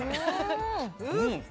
うん！